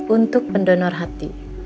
untuk pendonor hati